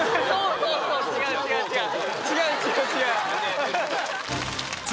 ・違う違う違う。